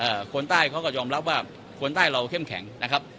คนใต้เขาก็ยอมรับว่าคนใต้เราเข้มแข็งนะครับ